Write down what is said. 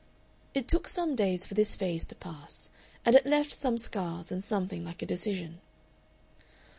It took some days for this phase to pass, and it left some scars and something like a decision.